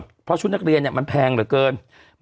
เพราะการชุดนักเรียนเนี่ยมันแพงเหละเกิน